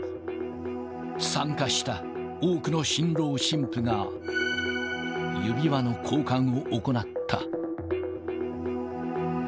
参加した多くの新郎新婦が、指輪の交換を行った。